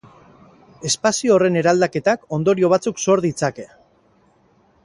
Espazio horren eraldaketak ondorio batzuk sor ditzake.